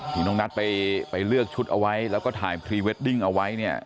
ที่น้องนัทไปเลือกชุดเอาไว้แล้วก็ถ่ายพรีเวดดิ้งเอาไว้เนี่ย